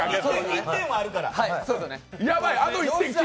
１点はあるから！